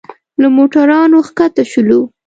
له موټرانو ښکته شولو.